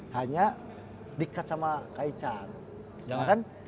hanya dikat sama kaya cal